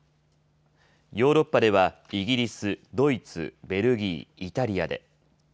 ヨーロッパではイギリス、ドイツ、ベルギー、イタリアで。